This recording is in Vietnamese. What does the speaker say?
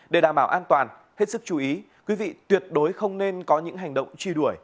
để đảm bảo an toàn hết sức chú ý quý vị tuyệt đối không nên có những hành động truy đuổi